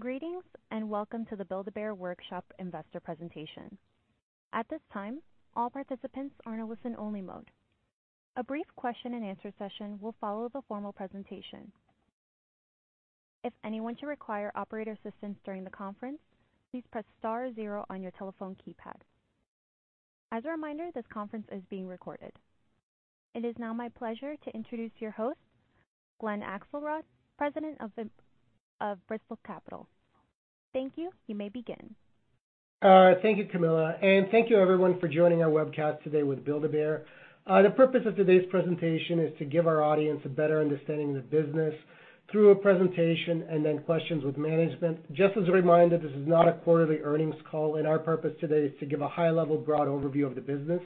Greetings, and welcome to the Build-A-Bear Workshop Investor Presentation. At this time, all participants are in a listen-only mode. A brief question-and-answer session will follow the formal presentation. If anyone should require operator assistance during the conference, please press star zero on your telephone keypad. As a reminder, this conference is being recorded. It is now my pleasure to introduce your host, Glen Akselrod, President of Bristol Capital. Thank you. You may begin. Thank you, Camilla, and thank you everyone for joining our webcast today with Build-A-Bear. The purpose of today's presentation is to give our audience a better understanding of the business through a presentation and then questions with management. Just as a reminder, this is not a quarterly earnings call, and our purpose today is to give a high-level broad overview of the business.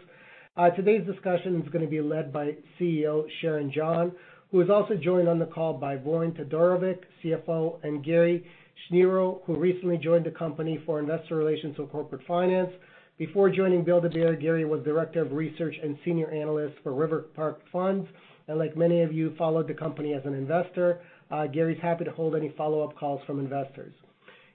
Today's discussion is gonna be led by CEO, Sharon John, who is also joined on the call by Voin Todorovic, CFO, and Gary Schnierow, who recently joined the company for investor relations and corporate finance. Before joining Build-A-Bear, Gary was Director of Research and Senior Analyst for RiverPark Funds, and like many of you, followed the company as an investor. Gary's happy to hold any follow-up calls from investors.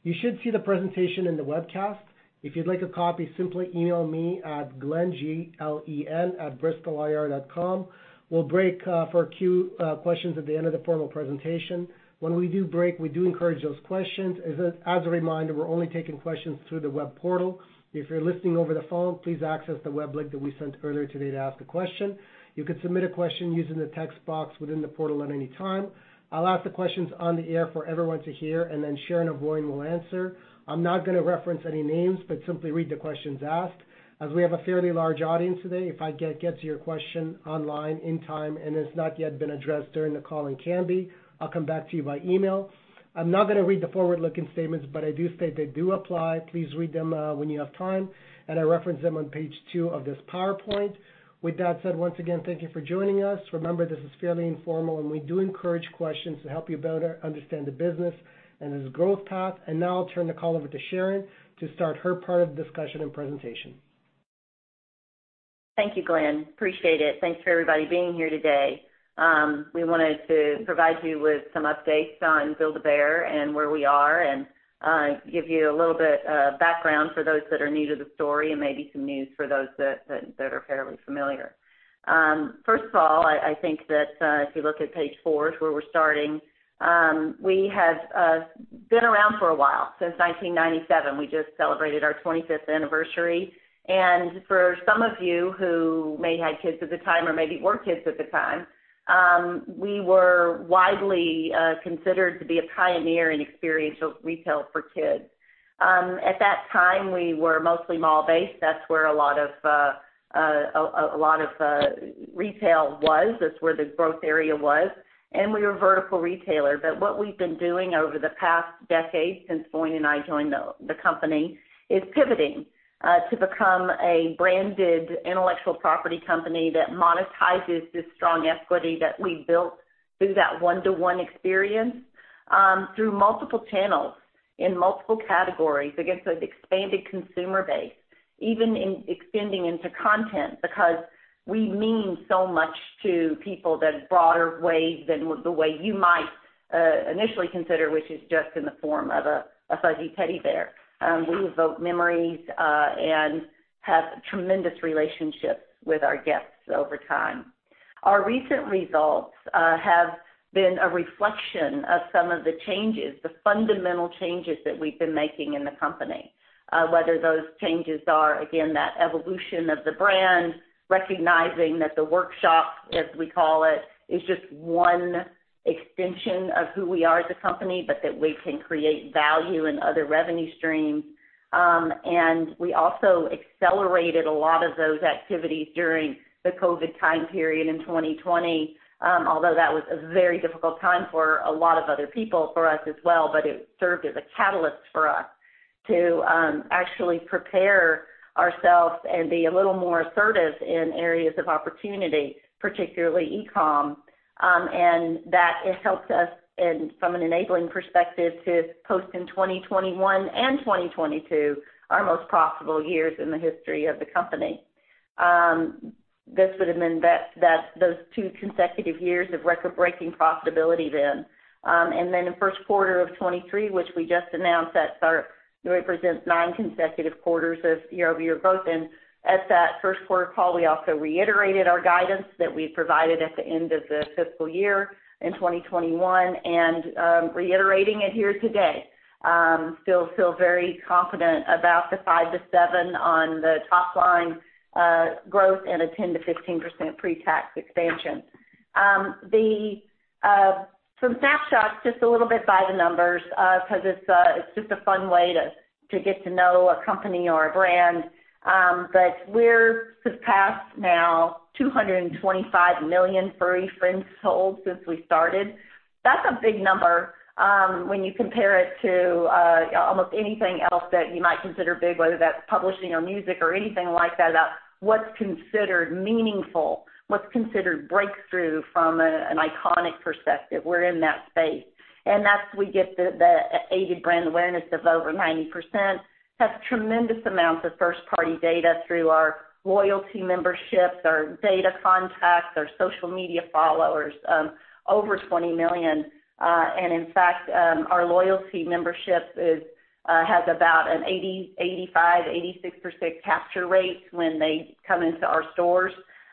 You should see the presentation in the webcast. If you'd like a copy, simply email me at glen, G-L-E-N, @bristolir.com. We'll break for queue questions at the end of the formal presentation. When we do break, we do encourage those questions. As a reminder, we're only taking questions through the web portal. If you're listening over the phone, please access the web link that we sent earlier today to ask a question. You can submit a question using the text box within the portal at any time. I'll ask the questions on the air for everyone to hear. Sharon or Voin will answer. I'm not gonna reference any names, simply read the questions asked. As we have a fairly large audience today, if I get to your question online in time and it's not yet been addressed during the call and can be, I'll come back to you by email. I'm not gonna read the forward-looking statements, but I do state they do apply. Please read them, when you have time, and I reference them on page two of this PowerPoint. With that said, once again, thank you for joining us. Remember, this is fairly informal, and we do encourage questions to help you better understand the business and its growth path. Now I'll turn the call over to Sharon to start her part of the discussion and presentation. Thank you, Glen. Appreciate it. Thanks for everybody being here today. We wanted to provide you with some updates on Build-A-Bear and where we are, give you a little bit of background for those that are new to the story and maybe some news for those that are fairly familiar. First of all, I think that if you look at page four, is where we're starting, we have been around for a while, since 1997. We just celebrated our 25th anniversary. For some of you who may have had kids at the time or maybe were kids at the time, we were widely considered to be a pioneer in experiential retail for kids. At that time, we were mostly mall-based. That's where a lot of retail was. That's where the growth area was. We were a vertical retailer. What we've been doing over the past decade, since Voin and I joined the company, is pivoting to become a branded intellectual property company that monetizes this strong equity that we built through that one-to-one experience, through multiple channels in multiple categories against an expanded consumer base, even in extending into content. We mean so much to people that broader ways than the way you might initially consider, which is just in the form of a fuzzy teddy bear. We evoke memories and have tremendous relationships with our guests over time. Our recent results have been a reflection of some of the changes, the fundamental changes that we've been making in the company. Whether those changes are, again, that evolution of the brand, recognizing that the workshop, as we call it, is just one extension of who we are as a company, but that we can create value in other revenue streams. We also accelerated a lot of those activities during the COVID time period in 2020, although that was a very difficult time for a lot of other people, for us as well, but it served as a catalyst for us to actually prepare ourselves and be a little more assertive in areas of opportunity, particularly e-com. That it helped us in from an enabling perspective, to post in 2021 and 2022, our most profitable years in the history of the company. This would have been that those two consecutive years of record-breaking profitability then. The first quarter of 2023, which we just announced, that represents nine consecutive quarters of year-over-year growth. At that first quarter call, we also reiterated our guidance that we provided at the end of the fiscal year in 2021, reiterating it here today. Still feel very confident about the 5%-7% on the top line growth and a 10%-15% pretax expansion. Some snapshots, just a little bit by the numbers, because it's just a fun way to get to know a company or a brand. But we're surpassed now 225 million furry friends sold since we started. That's a big number, when you compare it to almost anything else that you might consider big, whether that's publishing or music or anything like that, what's considered meaningful, what's considered breakthrough from an iconic perspective. We're in that space. We get the aided brand awareness of over 90%, have tremendous amounts of first-party data through our loyalty memberships, our data contacts, our social media followers, over $20 million. In fact, our loyalty membership has about an 80%, 85%, 86% capture rate when they come into our stores.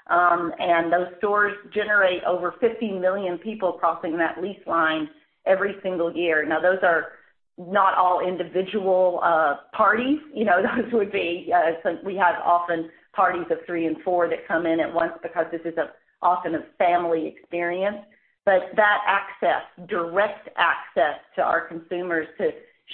Those stores generate over 50 million people crossing that lease line every single year. Now, those are not all individual parties. You know, those would be, since we have often parties of three and four that come in at once because this is often a family experience. That access, direct access to our consumers to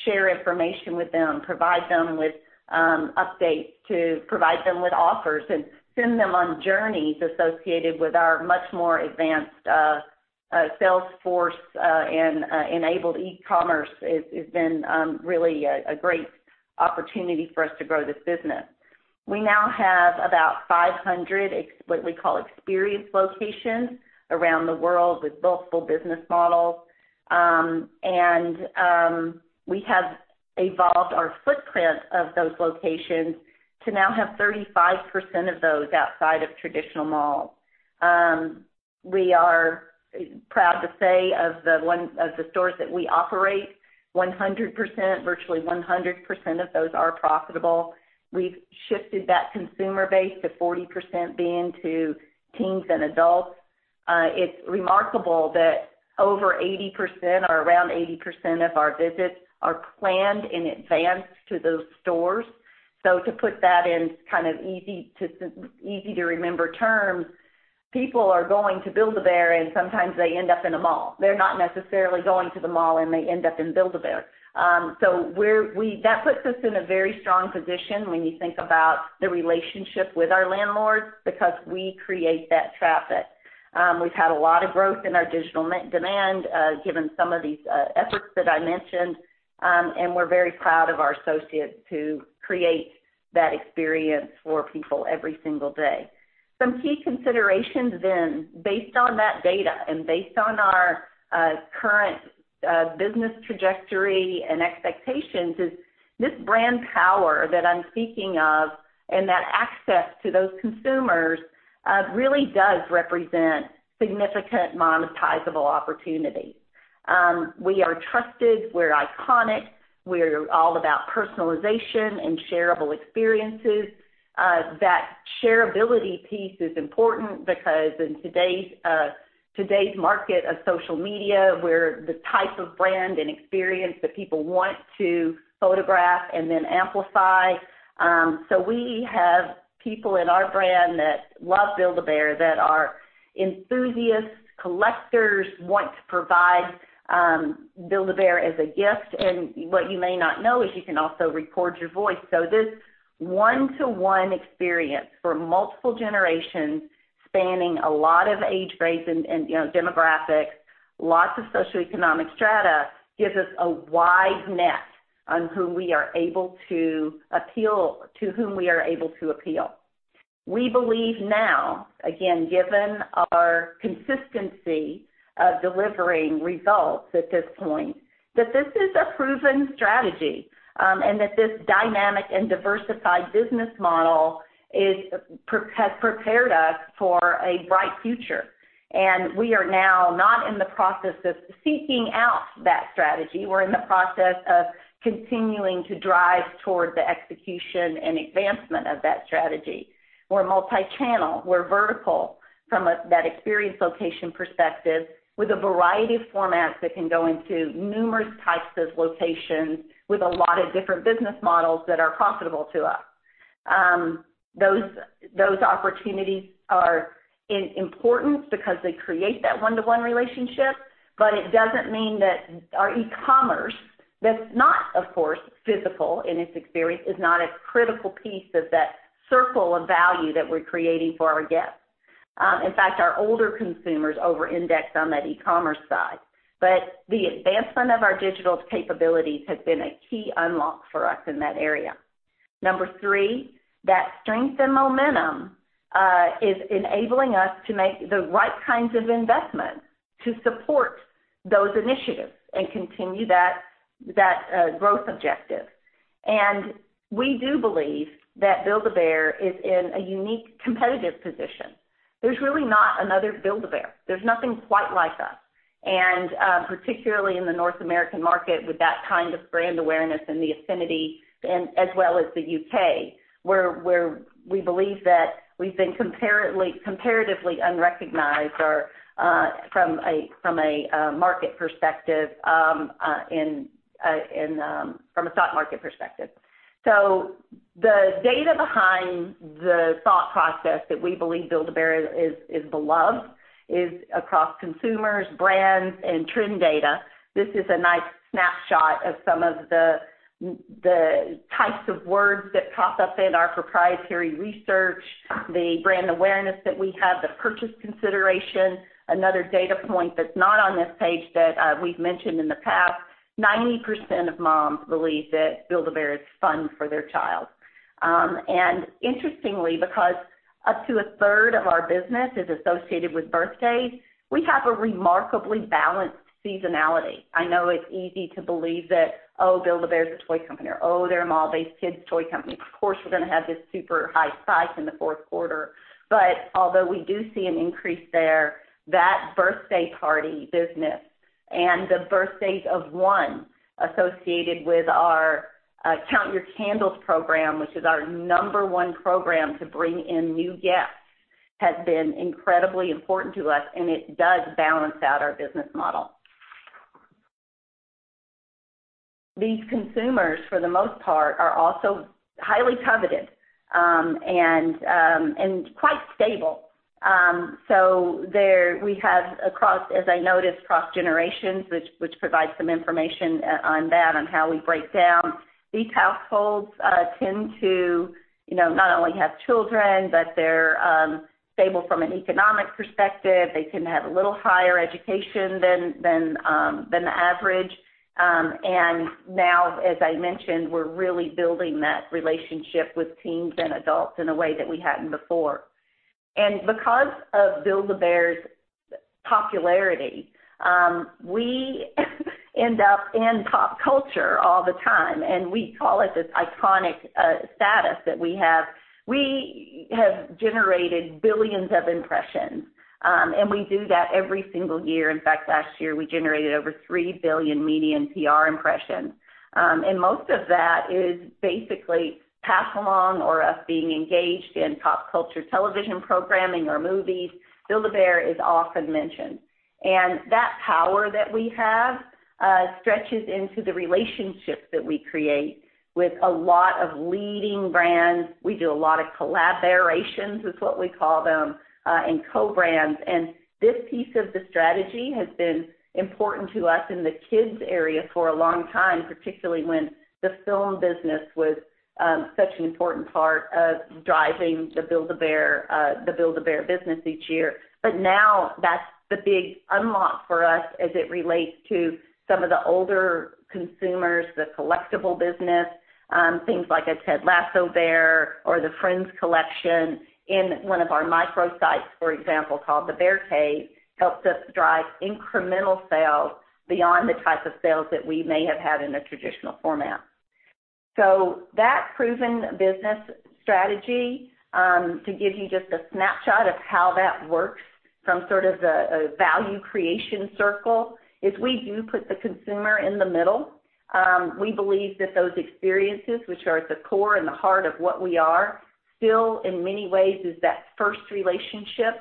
share information with them, provide them with updates, to provide them with offers, and send them on journeys associated with our much more advanced sales force and enabled e-commerce is been really a great opportunity for us to grow this business. We now have about 500, what we call experience locations around the world with multiple business models. We have evolved our footprint of those locations to now have 35% of those outside of traditional malls. We are proud to say of the stores that we operate, 100%, virtually 100% of those are profitable. We've shifted that consumer base to 40% being to teens and adults. It's remarkable that over 80% or around 80% of our visits are planned in advance to those stores. To put that in kind of easy to remember terms, people are going to Build-A-Bear, and sometimes they end up in a mall. They're not necessarily going to the mall, and they end up in Build-A-Bear. That puts us in a very strong position when you think about the relationship with our landlords because we create that traffic. We've had a lot of growth in our digital demand, given some of these efforts that I mentioned, and we're very proud of our associates who create that experience for people every single day. Some key considerations then, based on that data and based on our current business trajectory and expectations, is this brand power that I'm speaking of and that access to those consumers really does represent significant monetizable opportunity. We are trusted, we're iconic, we're all about personalization and shareable experiences. That shareability piece is important because in today's today's market of social media, we're the type of brand and experience that people want to photograph and then amplify. We have people in our brand that love Build-A-Bear, that are enthusiasts, collectors, want to provide Build-A-Bear as a gift. What you may not know is you can also record your voice. This one-to-one experience for multiple generations, spanning a lot of age ranges and, you know, demographics, lots of socioeconomic strata, gives us a wide net on who we are able to appeal to whom we are able to appeal. We believe now, again, given our consistency of delivering results at this point, that this is a proven strategy, and that this dynamic and diversified business model has prepared us for a bright future. We are now not in the process of seeking out that strategy. We're in the process of continuing to drive toward the execution and advancement of that strategy. We're multi-channel, we're vertical from a, that experience location perspective, with a variety of formats that can go into numerous types of locations with a lot of different business models that are profitable to us. Those opportunities are in importance because they create that one-to-one relationship, but it doesn't mean that our e-commerce, that's not, of course, physical in its experience, is not a critical piece of that circle of value that we're creating for our guests. In fact, our older consumers over-index on that e-commerce side. The advancement of our digital capabilities has been a key unlock for us in that area. Number three, that strength and momentum is enabling us to make the right kinds of investments to support those initiatives and continue that growth objective. We do believe that Build-A-Bear is in a unique competitive position. There's really not another Build-A-Bear. There's nothing quite like us, particularly in the North American market, with that kind of brand awareness and the affinity, as well as the U.K., where we believe that we've been comparatively unrecognized or from a market perspective, in a from a stock market perspective. The data behind the thought process that we believe Build-A-Bear is beloved, is across consumers, brands, and trend data. This is a nice snapshot of some of the types of words that pop up in our proprietary research, the brand awareness that we have, the purchase consideration. Another data point that's not on this page that we've mentioned in the past, 90% of moms believe that Build-A-Bear is fun for their child. Interestingly, because up to a third of our business is associated with birthdays, we have a remarkably balanced seasonality. I know it's easy to believe that, Build-A-Bear is a toy company, or, they're a mall-based kids' toy company. Of course, we're going to have this super high spike in the fourth quarter. Although we do see an increase there, that birthday party business and the birthdays of one associated with our Count Your Candles program, which is our number one program to bring in new guests, has been incredibly important to us, and it does balance out our business model. These consumers, for the most part, are also highly coveted, and quite stable. There we have across, as I noted, across generations, which provides some information on that, on how we break down. These households, you know, tend to not only have children, but they're stable from an economic perspective. They tend to have a little higher education than the average. Now, as I mentioned, we're really building that relationship with teens and adults in a way that we hadn't before. Because of Build-A-Bear's popularity, we end up in pop culture all the time, and we call it this iconic status that we have. We have generated billions of impressions, and we do that every single year. In fact, last year, we generated over three billion media and PR impressions. Most of that is basically pass along or us being engaged in pop culture television programming or movies. Build-A-Bear is often mentioned. That power that we have stretches into the relationships that we create with a lot of leading brands. We do a lot of collaborations, is what we call them, and co-brands. This piece of the strategy has been important to us in the kids area for a long time, particularly when the film business was such an important part of driving the Build-A-Bear business each year. Now that's the big unlock for us as it relates to some of the older consumers, the collectible business, things like, I said, Lotso Bear or the Friends collection in one of our microsites, for example, called The Bear Cave, helps us drive incremental sales beyond the type of sales that we may have had in a traditional format. That proven business strategy, to give you just a snapshot of how that works from sort of the, a value creation circle, is we do put the consumer in the middle. We believe that those experiences, which are at the core and the heart of what we are, still, in many ways, is that first relationship.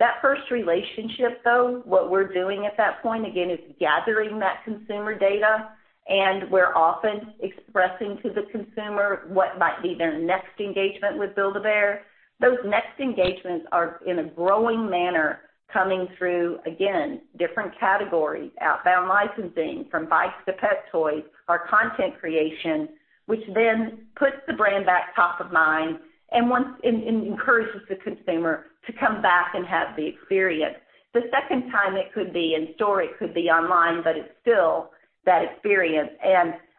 That first relationship, though, what we're doing at that point, again, is gathering that consumer data, and we're often expressing to the consumer what might be their next engagement with Build-A-Bear. Those next engagements are, in a growing manner, coming through, again, different categories, outbound licensing from bikes to pet toys, our content creation, which then puts the brand back top of mind and encourages the consumer to come back and have the experience. The second time, it could be in store, it could be online, but it's still that experience.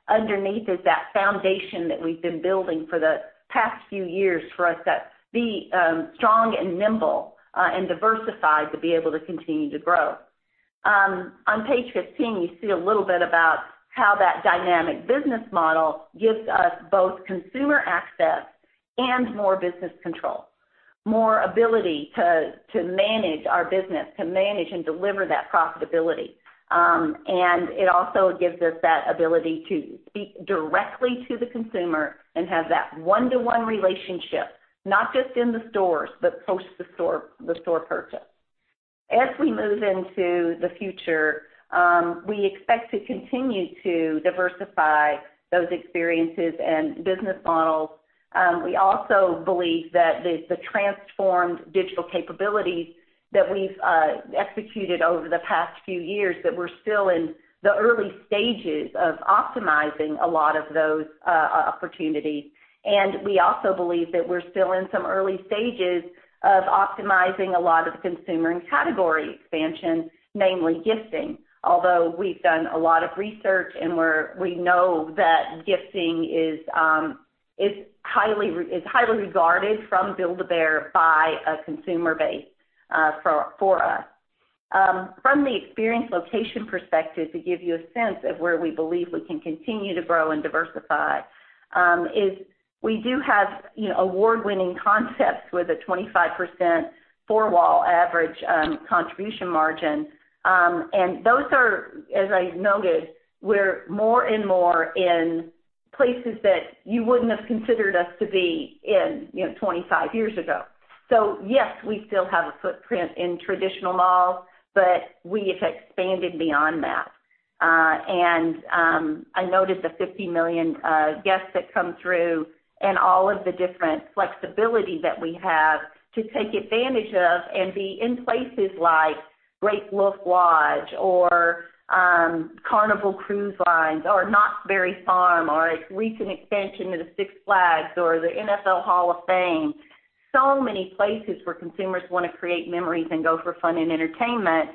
Underneath is that foundation that we've been building for the past few years for us to be strong and nimble and diversified to be able to continue to grow. On page 15, you see a little bit about how that dynamic business model gives us both consumer access and more business control, more ability to manage our business, to manage and deliver that profitability. It also gives us that ability to speak directly to the consumer and have that one-to-one relationship, not just in the stores, but post the store purchase. As we move into the future, we expect to continue to diversify those experiences and business models. We also believe that the transformed digital capabilities that we've executed over the past few years, that we're still in the early stages of optimizing a lot of those opportunities. We also believe that we're still in some early stages of optimizing a lot of the consumer and category expansion, mainly gifting, although we've done a lot of research, and we know that gifting is highly regarded from Build-A-Bear by a consumer base for us. From the experience location perspective, to give you a sense of where we believe we can continue to grow and diversify, is we do have, you know, award-winning concepts with a 25% four-wall average contribution margin. Those are, as I noted, we're more and more in places that you wouldn't have considered us to be in, you know, 25 years ago. Yes, we still have a footprint in traditional malls, but we have expanded beyond that. I noted the 50 million guests that come through and all of the different flexibility that we have to take advantage of and be in places like Great Wolf Lodge, or Carnival Cruise Line, or Knott's Berry Farm, or a recent expansion to the Six Flags, or the NFL Hall of Fame. Many places where consumers want to create memories and go for fun and entertainment,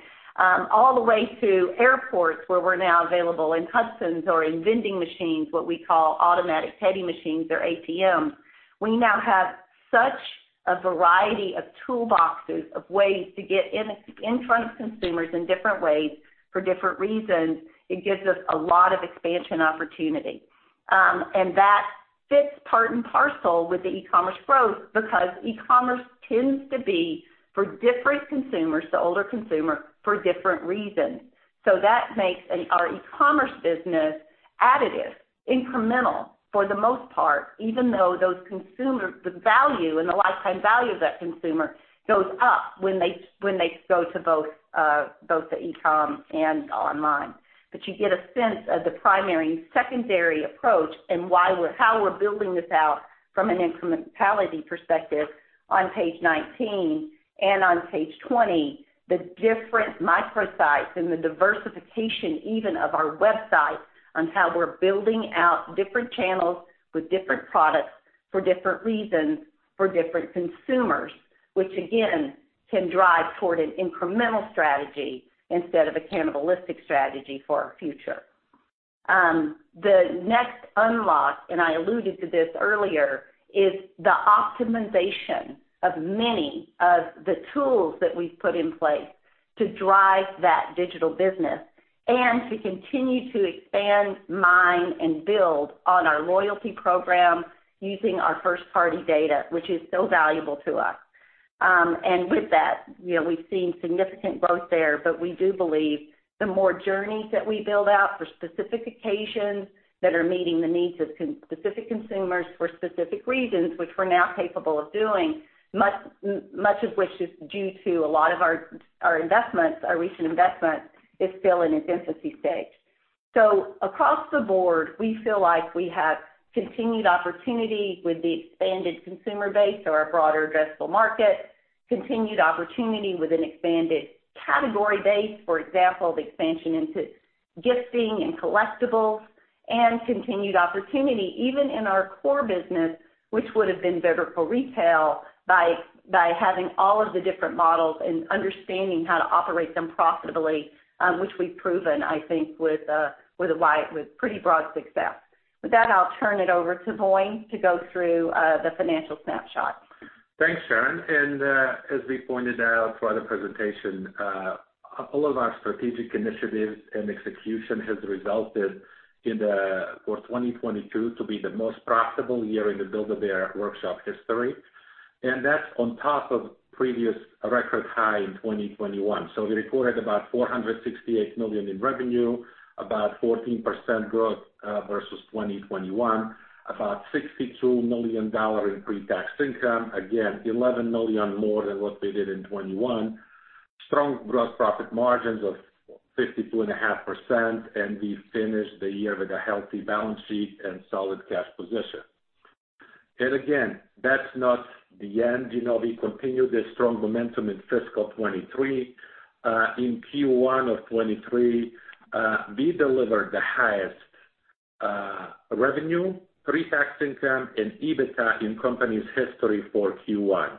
all the way to airports, where we're now available in Hudson's or in vending machines, what we call Automated Teddy Machines or ATMs. We now have such a variety of toolboxes of ways to get in front of consumers in different ways for different reasons. It gives us a lot of expansion opportunity. That fits part and parcel with the e-commerce growth because e-commerce tends to be for different consumers, the older consumer, for different reasons. That makes our e-commerce business additive, incremental for the most part, even though the value and the lifetime value of that consumer goes up when they go to both the e-com and online. You get a sense of the primary and secondary approach and why how we're building this out from an incrementality perspective on page 19. On page 20, the different microsites and the diversification even of our website, on how we're building out different channels with different products for different reasons, for different consumers, which again, can drive toward an incremental strategy instead of a cannibalistic strategy for our future. The next unlock, and I alluded to this earlier, is the optimization of many of the tools that we've put in place to drive that digital business, and to continue to expand, mine, and build on our loyalty program using our first-party data, which is so valuable to us. With that, you know, we've seen significant growth there, but we do believe the more journeys that we build out for specific occasions that are meeting the needs of specific consumers for specific reasons, which we're now capable of doing, much of which is due to a lot of our investments, our recent investment, is still in its infancy stage. Across the board, we feel like we have continued opportunity with the expanded consumer base or our broader addressable market, continued opportunity with an expanded category base, for example, the expansion into gifting and collectibles, and continued opportunity even in our core business, which would have been better for retail by having all of the different models and understanding how to operate them profitably, which we've proven, I think, with pretty broad success. With that, I'll turn it over to Voin to go through, the financial snapshot. Thanks, Sharon. As we pointed out throughout the presentation, all of our strategic initiatives and execution has resulted in 2022 to be the most profitable year in the Build-A-Bear Workshop history. That's on top of previous record high in 2021. We reported about $468 million in revenue, about 14% growth versus 2021, about $62 million dollar in pre-tax income. Again, $11 million more than what we did in 2021. Strong gross profit margins of 52.5%, and we finished the year with a healthy balance sheet and solid cash position. Again, that's not the end. You know, we continued this strong momentum in fiscal 2023. In Q1 of 2023, we delivered the highest revenue, pre-tax income, and EBITDA in company's history for Q1.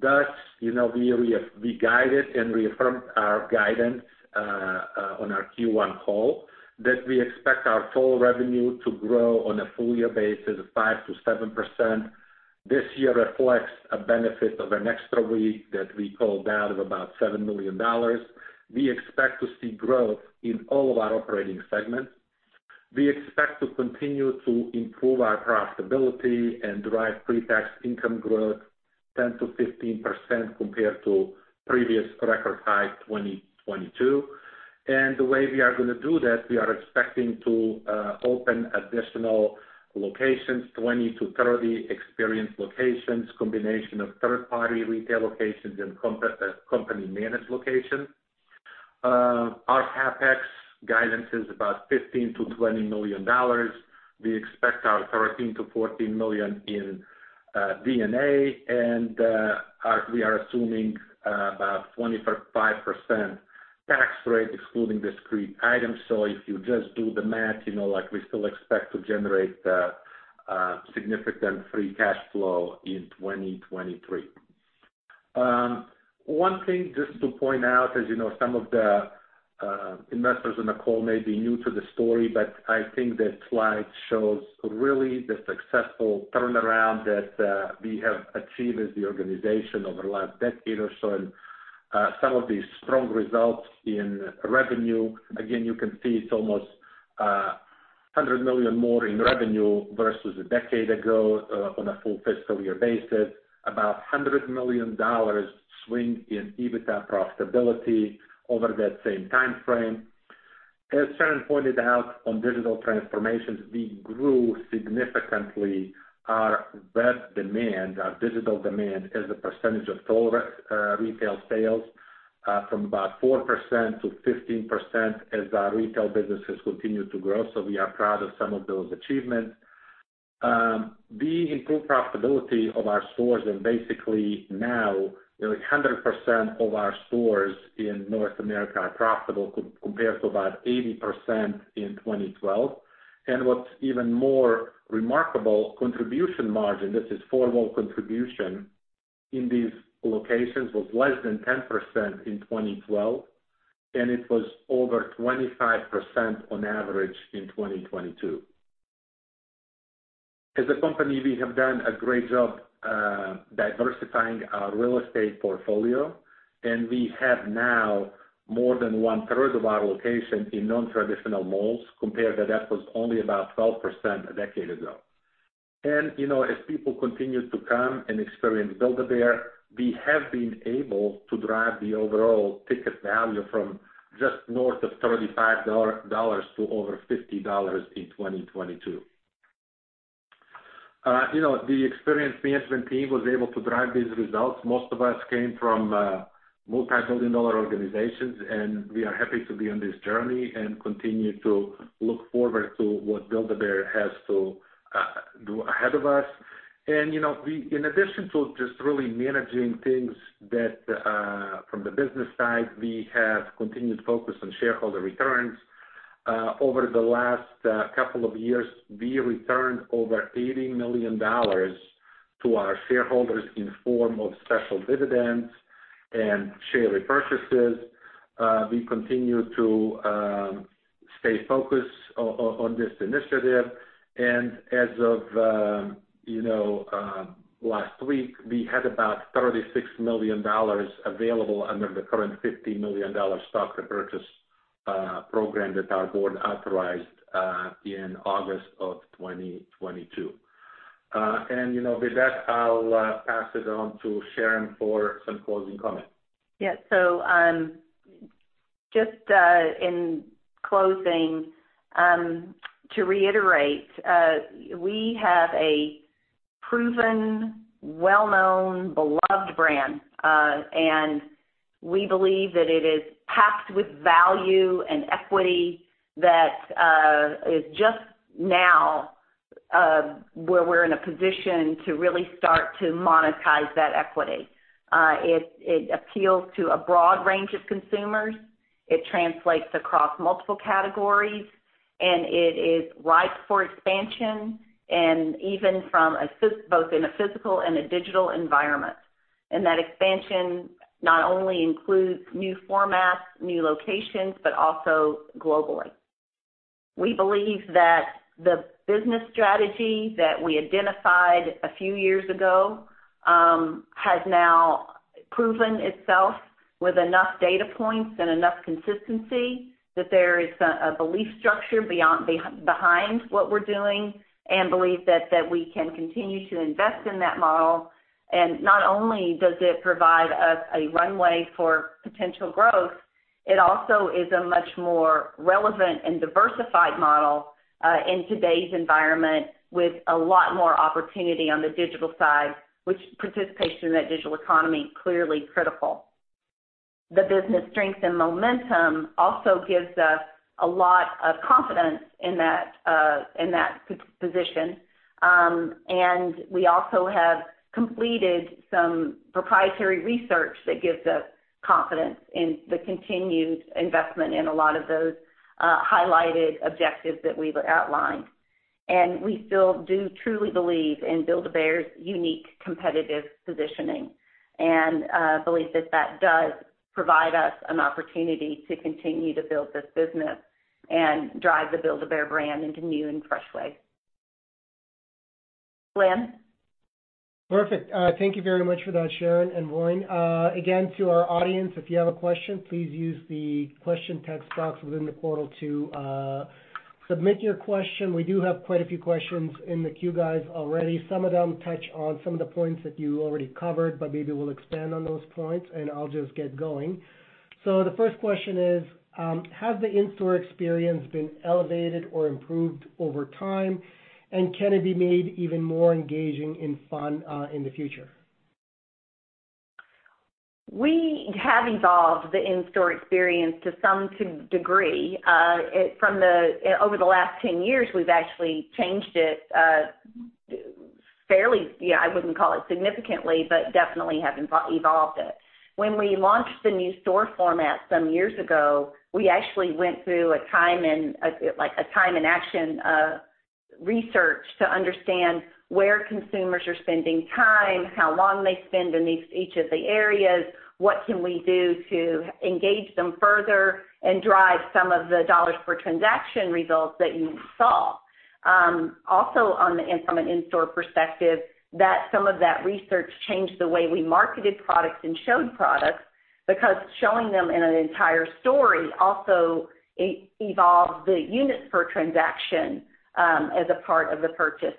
Thus, you know, we guided and reaffirmed our guidance on our Q1 call, that we expect our total revenue to grow on a full year basis of 5%-7%. This year reflects a benefit of an extra week that we called out of about $7 million. We expect to see growth in all of our operating segments. We expect to continue to improve our profitability and drive pre-tax income growth 10%-15% compared to previous record high, 2022. The way we are gonna do that, we are expecting to open additional locations, 20-30 experience locations, combination of third-party retail locations and company-managed locations. Our CapEx guidance is about $15 million-$20 million. We expect our $13 million-$14 million in D&A, and we are assuming about 25% tax rate, excluding discrete items. If you just do the math, you know, like, we still expect to generate significant free cash flow in 2023. One thing just to point out, as you know, some of the investors on the call may be new to the story, but I think this slide shows really the successful turnaround that we have achieved as the organization over the last decade or so, and some of these strong results in revenue. Again, you can see it's almost $100 million more in revenue versus a decade ago on a full fiscal year basis. About $100 million swing in EBITDA profitability over that same timeframe. As Sharon pointed out, on digital transformations, we grew significantly our web demand, our digital demand, as a percentage of total retail sales, from about 4% to 15% as our retail businesses continue to grow. We are proud of some of those achievements. We improved profitability of our stores and basically now, you know, 100% of our stores in North America are profitable, compared to about 80% in 2012. What's even more remarkable, contribution margin, this is formal contribution, in these locations, was less than 10% in 2012, and it was over 25% on average in 2022. As a company, we have done a great job diversifying our real estate portfolio, we have now more than one-third of our location in non-traditional malls, compared to that was only about 12% a decade ago. You know, as people continue to come and experience Build-A-Bear, we have been able to drive the overall ticket value from just north of $35 to over $50 in 2022. You know, the experience management team was able to drive these results. Most of us came from multimillion-dollar organizations, and we are happy to be on this journey and continue to look forward to what Build-A-Bear has to do ahead of us. You know, in addition to just really managing things that from the business side, we have continued focus on shareholder returns. Over the last couple of years, we returned over $80 million to our shareholders in form of special dividends and share repurchases. We continue to stay focused on this initiative. As of, you know, last week, we had about $36 million available under the current $50 million stock repurchase program that our board authorized in August of 2022. You know, with that, I'll pass it on to Sharon for some closing comments. Yeah. Just in closing, to reiterate, we have a proven, well-known, beloved brand, and we believe that it is packed with value and equity that is just now where we're in a position to really start to monetize that equity. It appeals to a broad range of consumers, it translates across multiple categories, and it is ripe for expansion, and even from both in a physical and a digital environment. That expansion not only includes new formats, new locations, but also globally. We believe that the business strategy that we identified a few years ago, has now proven itself with enough data points and enough consistency, that there is a belief structure beyond behind what we're doing, and believe that we can continue to invest in that model. Not only does it provide us a runway for potential growth, it also is a much more relevant and diversified model in today's environment, with a lot more opportunity on the digital side, which participation in that digital economy, clearly critical. The business strength and momentum also gives us a lot of confidence in that position. We also have completed some proprietary research that gives us confidence in the continued investment in a lot of those highlighted objectives that we've outlined. We still do truly believe in Build-A-Bear's unique competitive positioning, and believe that that does provide us an opportunity to continue to build this business and drive the Build-A-Bear brand into new and fresh ways. Glen? Perfect. Thank you very much for that, Sharon and Voin. Again, to our audience, if you have a question, please use the question text box within the portal to submit your question. We do have quite a few questions in the queue, guys, already. Some of them touch on some of the points that you already covered, but maybe we'll expand on those points, and I'll just get going. The first question is: Has the in-store experience been elevated or improved over time, and can it be made even more engaging and fun in the future? We have evolved the in-store experience to some degree. Over the last 10 years, we've actually changed it fairly, yeah, I wouldn't call it significantly, but definitely have evolved it. When we launched the new store format some years ago, we actually went through a time and, like, a time and action research to understand where consumers are spending time, how long they spend in these, each of the areas, what can we do to engage them further and drive some of the dollars per transaction results that you saw. Also on the, from an in-store perspective, that some of that research changed the way we marketed products and showed products, because showing them in an entire story also evolved the units per transaction as a part of the purchase.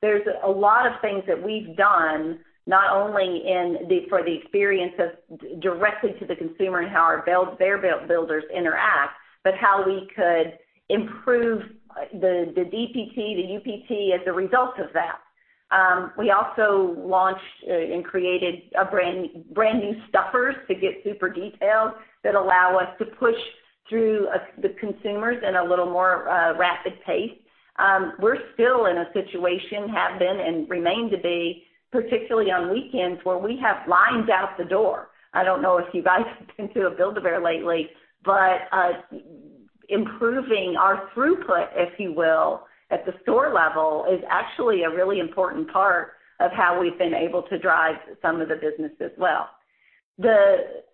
There's a lot of things that we've done, not only in the experience of directly to the consumer and how our Build-A-Bear builders interact, but how we could improve the DPT, the UPT, as a result of that. We also launched and created a brand new stuffers to get super detailed that allow us to push through the consumers in a little more rapid pace. We're still in a situation, have been and remain to be, particularly on weekends, where we have lines out the door. I don't know if you guys have been to a Build-A-Bear lately, but improving our throughput, if you will, at the store level, is actually a really important part of how we've been able to drive some of the business as well.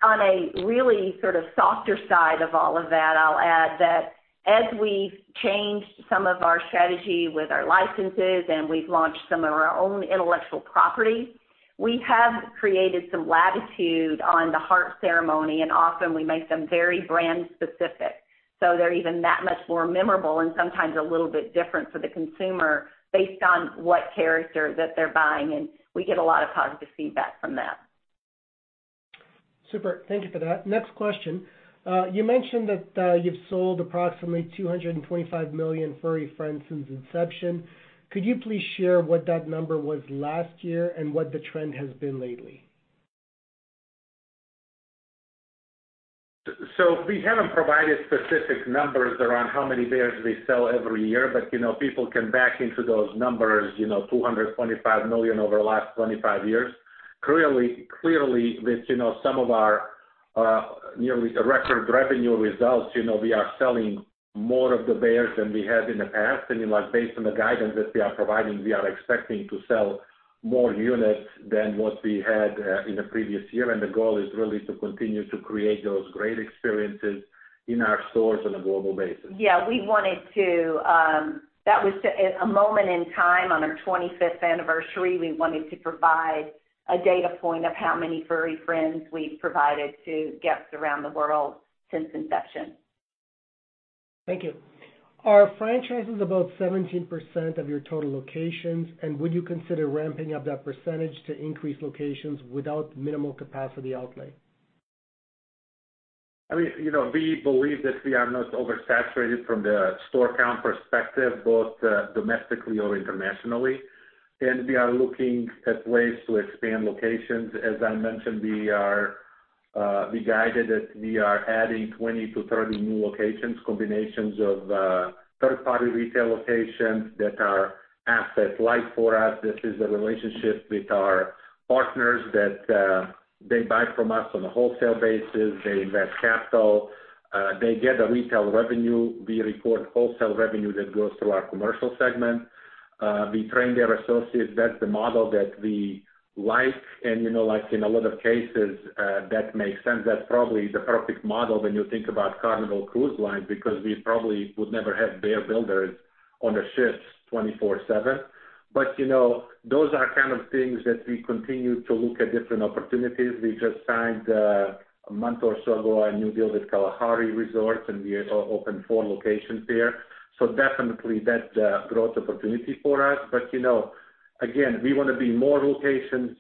On a really sort of softer side of all of that, I'll add that as we've changed some of our strategy with our licenses and we've launched some of our own intellectual property, we have created some latitude on the heart ceremony, and often we make them very brand specific. They're even that much more memorable and sometimes a little bit different for the consumer based on what character that they're buying, and we get a lot of positive feedback from that. Super. Thank you for that. Next question. You mentioned that you've sold approximately 225 million furry friends since inception. Could you please share what that number was last year and what the trend has been lately? We haven't provided specific numbers around how many bears we sell every year, but, you know, people can back into those numbers, you know, $225 million over the last 25 years. Clearly, with, you know, some of our, you know, with the record revenue results, you know, we are selling more of the bears than we had in the past. Like, based on the guidance that we are providing, we are expecting to sell more units than what we had in the previous year. The goal is really to continue to create those great experiences in our stores on a global basis. We wanted to provide a data point of how many furry friends we've provided to guests around the world since inception. Thank you. Are franchises about 17% of your total locations, and would you consider ramping up that percentage to increase locations without minimal capacity outlay? I mean, you know, we believe that we are not oversaturated from the store count perspective, both, domestically or internationally, and we are looking at ways to expand locations. As I mentioned, we are, we guided that we are adding 20 to 30 new locations, combinations of third-party retail locations that are asset-light for us. This is a relationship with our partners that, they buy from us on a wholesale basis. They invest capital, they get a retail revenue. We report wholesale revenue that goes through our commercial segment. We train their associates. That's the model that we like, and, you know, like in a lot of cases, that makes sense. That's probably the perfect model when you think about Carnival Cruise Line, because we probably would never have Build-A-Bears on a ship 24/7. You know, those are kind of things that we continue to look at different opportunities. We just signed a month or so ago, a new deal with Kalahari Resorts, and we opened four locations there. Definitely that's a growth opportunity for us. You know, again, we wanna be more locations.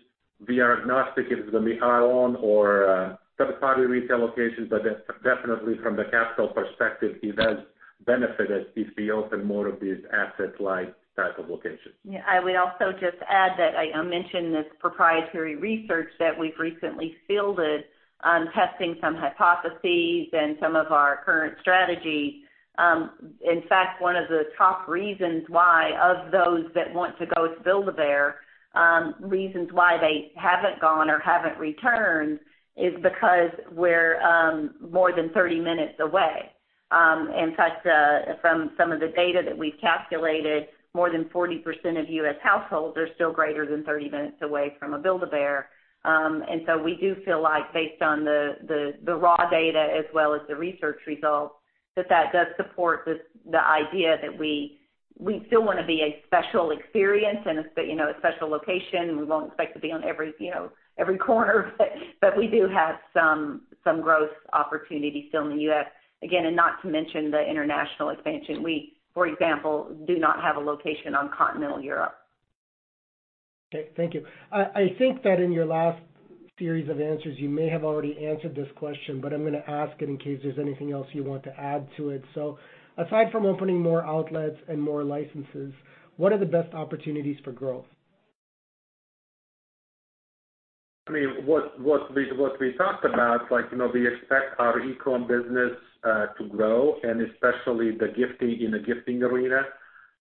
We are agnostic if it's gonna be our own or third-party retail locations, but definitely from the capital perspective, it does benefit us if we open more of these asset-light type of locations. I would also just add that I mentioned this proprietary research that we've recently fielded on testing some hypotheses and some of our current strategy. In fact, one of the top reasons why, of those that want to go Build-A-Bear, reasons why they haven't gone or haven't returned, is because we're more than 30 minutes away. In fact, from some of the data that we've calculated, more than 40% of U.S. households are still greater than 30 minutes away from a Build-A-Bear. We do feel like based on the raw data as well as the research results, that that does support this, the idea that we still wanna be a special experience and you know, a special location. We won't expect to be on every, you know, every corner but we do have some growth opportunities still in the U.S. Again, not to mention the international expansion. We, for example, do not have a location on continental Europe. Okay, thank you. I think that in your last series of answers, you may have already answered this question, but I'm gonna ask it in case there's anything else you want to add to it. Aside from opening more outlets and more licenses, what are the best opportunities for growth? I mean, what we talked about, like, you know, we expect our e-comm business to grow, especially the gifting in the gifting arena.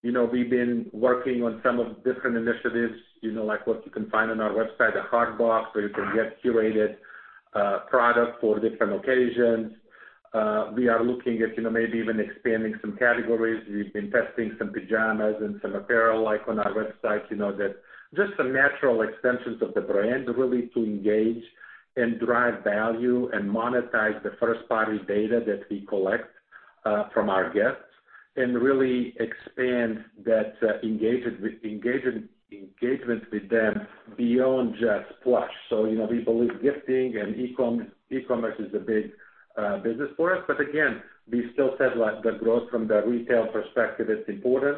You know, we've been working on some of different initiatives, you know, like what you can find on our website, a HeartBox, where you can get curated products for different occasions. We are looking at, you know, maybe even expanding some categories. We've been testing some pajamas and some apparel, like on our website, you know, that just some natural extensions of the brand, really, to engage and drive value and monetize the first-party data that we collect from our guests. Really expand that engagement with them beyond just plush. You know, we believe gifting and e-commerce is a big business for us. Again, we still said, like, the growth from the retail perspective is important.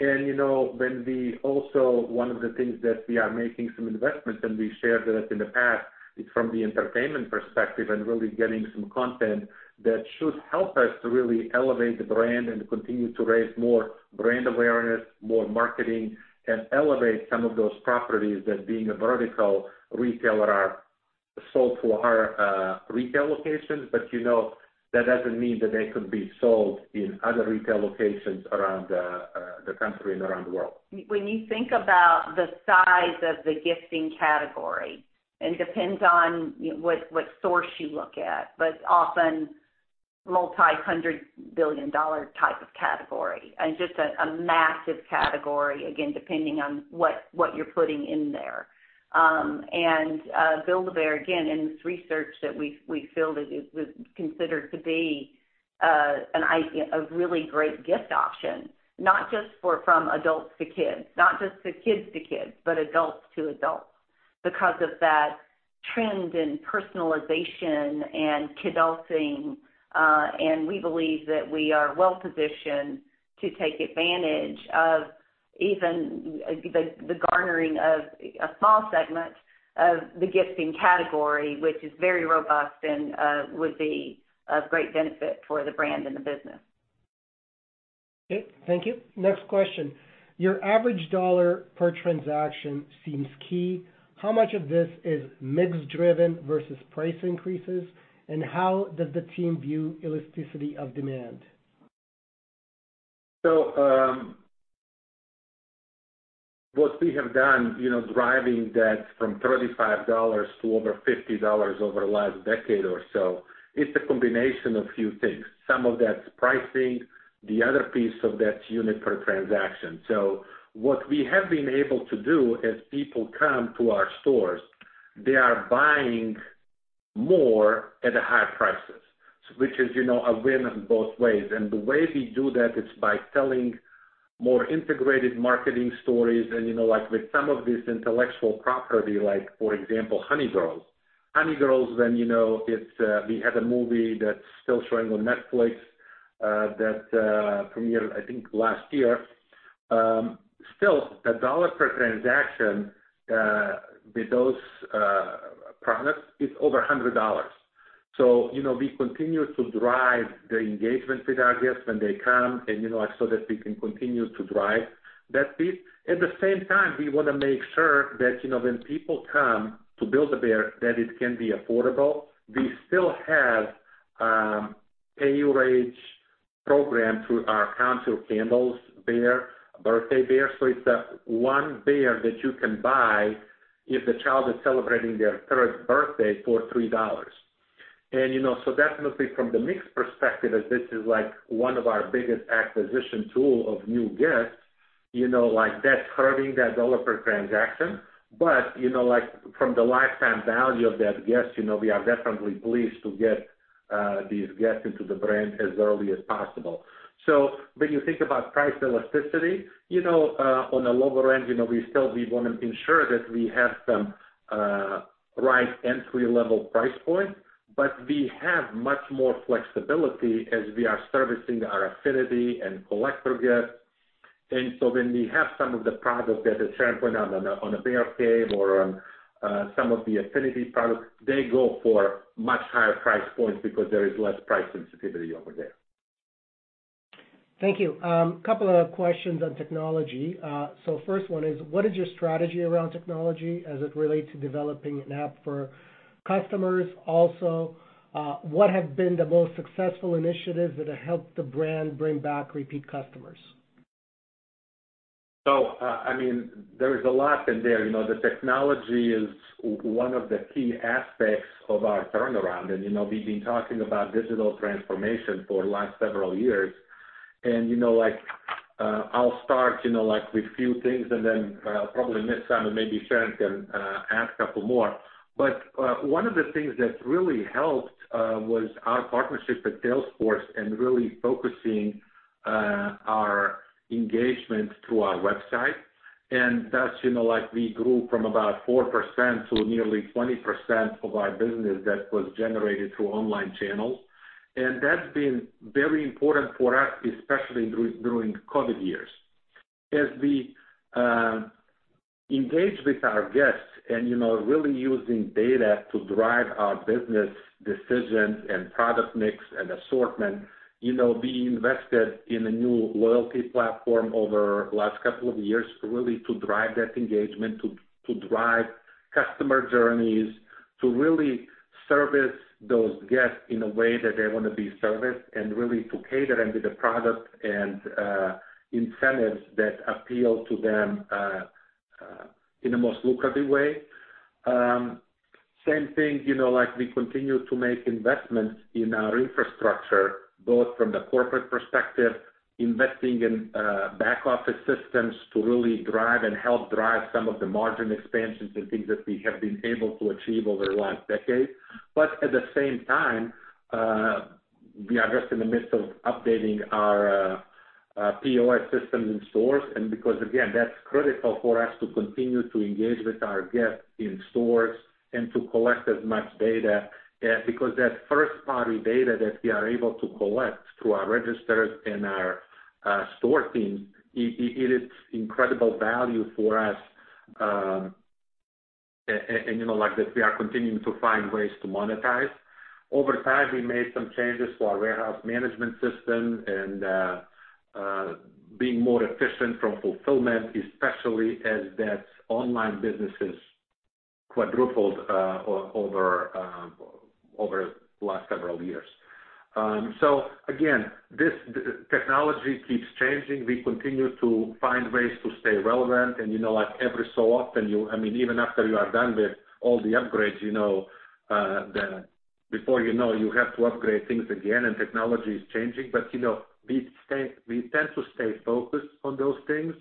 You know, when we also one of the things that we are making some investments, and we shared that in the past, is from the entertainment perspective and really getting some content that should help us to really elevate the brand and continue to raise more brand awareness, more marketing, and elevate some of those properties that, being a vertical retailer, are sold to our retail locations. You know, that doesn't mean that they could be sold in other retail locations around the country and around the world. When you think about the size of the gifting category, and it depends on, you know, what source you look at, but often multi-hundred billion dollar type of category, and just a massive category, again, depending on what you're putting in there. Build-A-Bear, again, in this research that we've filled, it was considered to be a really great gift option. Not just for from adults to kids, not just for kids to kids, but adults to adults, because of that trend in personalization and kidulting, and we believe that we are well positioned to take advantage of even the garnering of a small segment of the gifting category, which is very robust and would be of great benefit for the brand and the business. Okay, thank you. Next question: Your average dollar per transaction seems key. How much of this is mix driven versus price increases, and how does the team view elasticity of demand? What we have done, you know, driving that from $35 to over $50 over the last decade or so, it's a combination of few things. Some of that's pricing, the other piece of that's unit per transaction. What we have been able to do, as people come to our stores, they are buying more at a higher prices, which is, you know, a win in both ways. The way we do that is by telling more integrated marketing stories and, you know, like, with some of this intellectual property, like, for example, Honey Girls. Honey Girls, you know, it's we had a movie that's still showing on Netflix that premiered, I think, last year. Still, the dollar per transaction with those products is over $100. You know, we continue to drive the engagement with our guests when they come and, you know, like, so that we can continue to drive that piece. At the same time, we wanna make sure that, you know, when people come to Build-A-Bear, that it can be affordable. We still have Pay Your Age program through our Count Your Candles Bear, Birthday Bear. It's a one bear that you can buy if the child is celebrating their third birthday for $3. You know, definitely from the mix perspective, as this is, like, one of our biggest acquisition tool of new guests, you know, like, that's hurting that dollar per transaction. You know, like, from the lifetime value of that guest, you know, we are definitely pleased to get these guests into the brand as early as possible. When you think about price elasticity, you know, on a lower end, you know, we still wanna ensure that we have some right entry-level price point, but we have much more flexibility as we are servicing our affinity and collector guest. When we have some of the products that is sharing point on a The Bear Cave or on some of the affinity products, they go for much higher price points because there is less price sensitivity over there. Thank you. Couple of questions on technology. First one is, what is your strategy around technology as it relates to developing an app for customers? Also, what have been the most successful initiatives that have helped the brand bring back repeat customers? I mean, there is a lot in there. You know, the technology is one of the key aspects of our turnaround, and, you know, we've been talking about digital transformation for the last several years. You know, like, I'll start, you know, like, with few things and then, probably Ms. John, maybe Sharon can add a couple more. One of the things that really helped was our partnership with Salesforce and really focusing our engagement through our website. That's, you know, like, we grew from about 4% to nearly 20% of our business that was generated through online channels. That's been very important for us, especially during COVID years. As we engage with our guests and, you know, really using data to drive our business decisions and product mix and assortment, you know, we invested in a new loyalty platform over the last couple of years, really to drive that engagement, to drive customer journeys, to really service those guests in a way that they wanna be serviced, and really to cater them with the products and incentives that appeal to them in a most lucrative way. Same thing, you know, like, we continue to make investments in our infrastructure, both from the corporate perspective, investing in back office systems to really drive and help drive some of the margin expansions and things that we have been able to achieve over the last decade. At the same time, we are just in the midst of updating our POS systems in stores, and because, again, that's critical for us to continue to engage with our guests in stores and to collect as much data, because that first-party data that we are able to collect through our registers and our store teams, it is incredible value for us, and, you know, like, that we are continuing to find ways to monetize. Over time, we made some changes to our warehouse management system and being more efficient from fulfillment, especially as that online business has quadrupled over the last several years. Again, this, technology keeps changing. We continue to find ways to stay relevant and, you know, like, every so often, I mean, even after you are done with all the upgrades, you know, before you know, you have to upgrade things again, and technology is changing. You know, we tend to stay focused on those things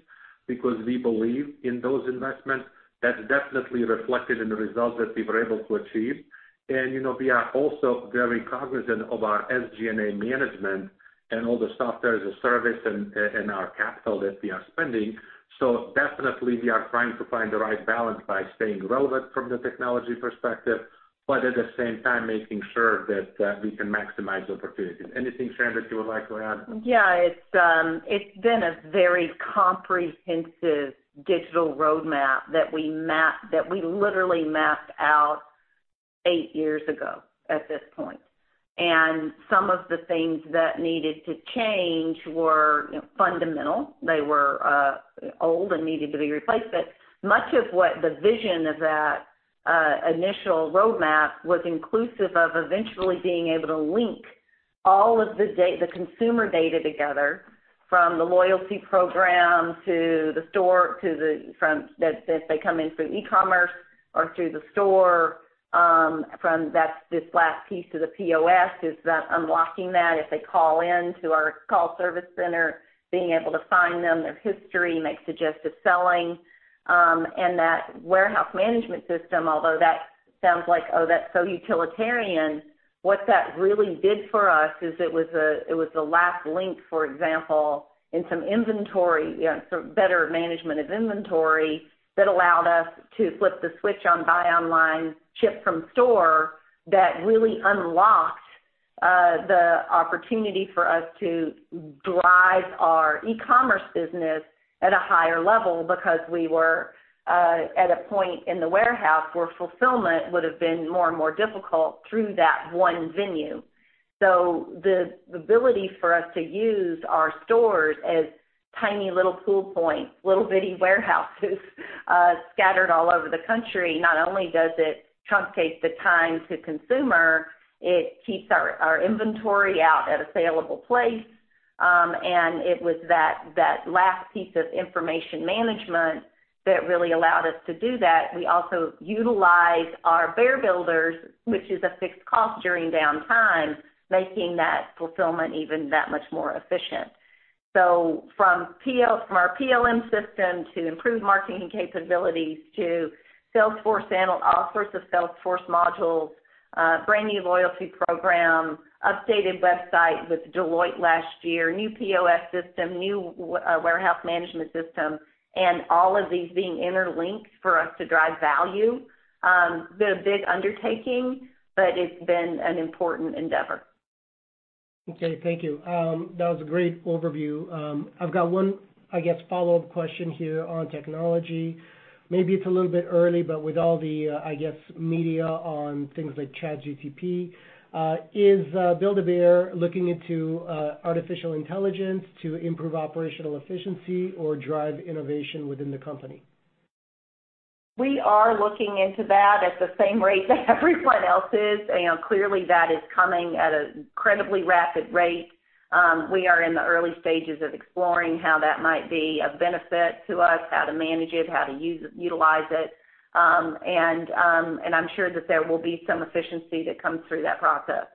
because we believe in those investments. That's definitely reflected in the results that we were able to achieve. You know, we are also very cognizant of our SG&A management and all the software as a service and our capital that we are spending. Definitely we are trying to find the right balance by staying relevant from the technology perspective, but at the same time making sure that we can maximize opportunities. Anything, Sharon, that you would like to add? Yeah, it's been a very comprehensive digital roadmap that we literally mapped out eight years ago at this point. Some of the things that needed to change were, you know, fundamental. They were old and needed to be replaced. Much of what the vision of that initial roadmap was inclusive of eventually being able to link all of the consumer data together, from the loyalty program to the store, to the, from, that they come in through e-commerce or through the store, from that, this last piece to the POS, is that unlocking that if they call in to our call service center, being able to find them, their history, make suggestive selling, and that warehouse management system, although that sounds like, oh, that's so utilitarian. What that really did for us is it was the, it was the last link, for example, in some inventory, you know, so better management of inventory, that allowed us to flip the switch on buy online, ship from store, that really unlocked the opportunity for us to drive our e-commerce business at a higher level because we were at a point in the warehouse where fulfillment would have been more and more difficult through that one venue. The ability for us to use our stores as tiny little pool points, little bitty warehouses, scattered all over the country, not only does it truncate the time to consumer, it keeps our inventory out at a saleable place. It was that last piece of information management that really allowed us to do that. We also utilize our bear builders, which is a fixed cost during downtime, making that fulfillment even that much more efficient. From our PLM system to improved marketing capabilities, to Salesforce and all sorts of Salesforce modules, brand new loyalty program, updated website with Deloitte last year, new POS system, new warehouse management system, and all of these being interlinked for us to drive value. Been a big undertaking. It's been an important endeavor. Okay, thank you. That was a great overview. I've got one, I guess, follow-up question here on technology. Maybe it's a little bit early, but with all the, I guess, media on things like ChatGPT, is Build-A-Bear looking into artificial intelligence to improve operational efficiency or drive innovation within the company? We are looking into that at the same rate that everyone else is. Clearly, that is coming at an incredibly rapid rate. We are in the early stages of exploring how that might be of benefit to us, how to manage it, how to use it, utilize it. I'm sure that there will be some efficiency that comes through that process.